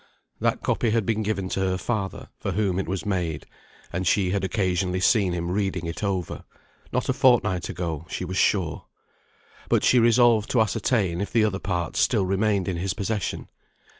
That copy had been given to her father, for whom it was made, and she had occasionally seen him reading it over, not a fortnight ago she was sure. But she resolved to ascertain if the other part still remained in his possession.